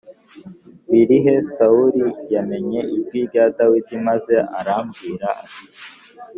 biri he Sawuli yamenye ijwi rya Dawidi maze aramubwira ati